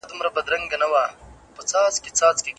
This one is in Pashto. آیا دا ټول مسائل تر یوه حکم لاندې راځي؟